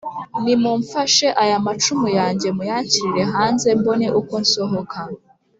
«nimumfashe aya macumu yanjye muyanshyirire hanze mbone uko nsohoka.»